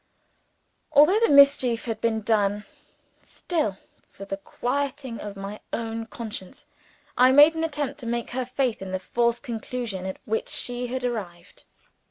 Although the mischief had been done still, for the quieting of my own conscience, I made an attempt to shake her faith in the false conclusion at which she had arrived.